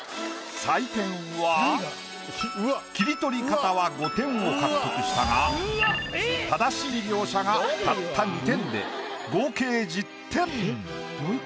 採点は切り取り方は５点を獲得したが正しい描写がたった２点で合計１０点。